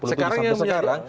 sekarang yang menyarang